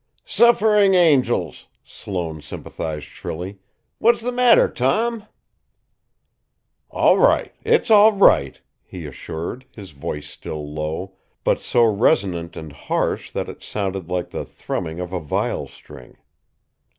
"Suffering angels!" Sloane sympathized shrilly. "What's the matter, Tom?" "All right it's all right," he assured, his voice still low, but so resonant and harsh that it sounded like the thrumming of a viol string.